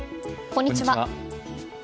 こんにちは。